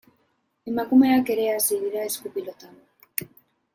Emakumeak ere hasi dira esku-pilotan.